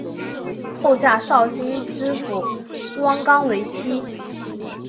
后嫁绍兴知府汪纲为妻。